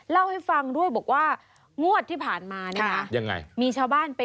เล่าให้ฟังด้วยบอกว่า